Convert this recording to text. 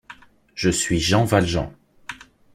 Je suis Jean Valjean.